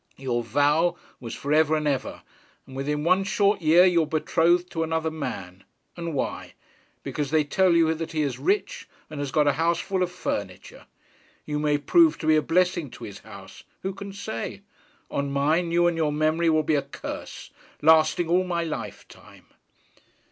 Your vow was for ever and ever, and within one short year you are betrothed to another man! And why? because they tell you that he is rich and has got a house full of furniture! You may prove to be a blessing to his house. Who can say? On mine, you and your memory will be a curse, lasting all my lifetime!'